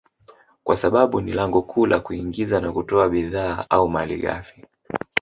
kwa sababu ni lango kuu la kuingiza na kutoa bidhaa au malighafi